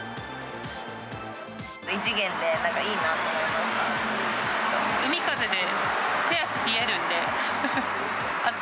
異次元でいいなと思いました。